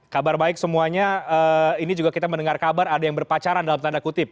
kabar baik semuanya ini juga kita mendengar kabar ada yang berpacaran dalam tanda kutip